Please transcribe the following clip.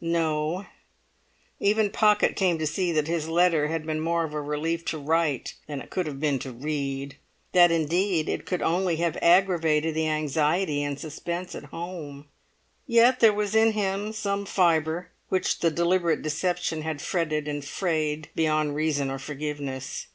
No; even Pocket came to see that his letter had been more of a relief to write than it could have been to read; that, indeed, it could only have aggravated the anxiety and suspense at home. Yet there was in him some fibre which the deliberate deception had fretted and frayed beyond reason or forgiveness.